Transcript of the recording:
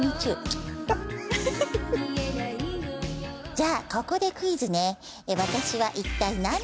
じゃあここでクイズね。